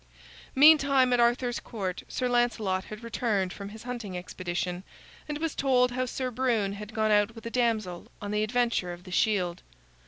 Meantime, at Arthur's Court Sir Lancelot had returned from his hunting expedition, and was told how Sir Brune had gone out with a damsel on the adventure of the shield.